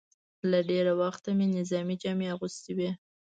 له ډېره وخته مې نظامي جامې اغوستې وې.